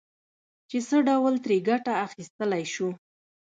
چې څه ډول ترې ګټه اخيستلای شو.